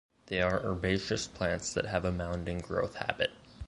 They are herbaceous plants have a mounding growth habit.